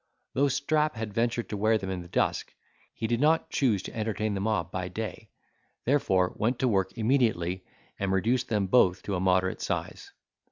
Though Strap had ventured to wear them in the dusk, he did not choose to entertain the mob by day; therefore went to work immediately, and reduced them both to a moderate size.